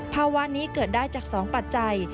ภาวะนี้เกิดได้จาก๒ปัจจัย